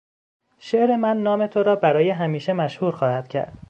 شعر من نام تو را برای همیشه مشهور خواهد کرد.